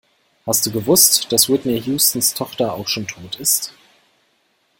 Hast du gewusst, dass Whitney Houstons Tochter auch schon tot ist?